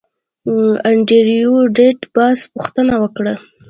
انډریو ډاټ باس پوښتنه وکړه